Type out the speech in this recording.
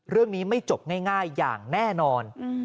เรื่องนี้ไม่จบง่ายอย่างแน่นอน